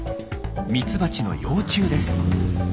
ミツバチの幼虫です。